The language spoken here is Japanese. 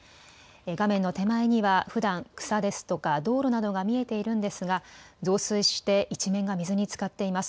画面の手前にはふだん草ですとか道路などが見えているんですが増水して一面が水につかっています。